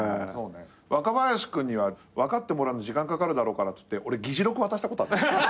若林君には分かってもらうの時間かかるだろうからっつって俺議事録渡したことある。